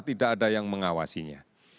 tidak ada yang mengawasinya